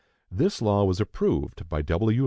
This law was approved by W.